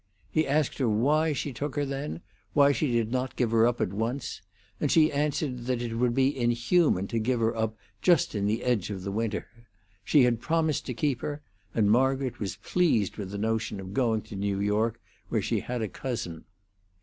He asked her why she took her, then why she did not give her up at once; and she answered that it would be inhuman to give her up just in the edge of the winter. She had promised to keep her; and Margaret was pleased with the notion of going to New York, where she had a cousin.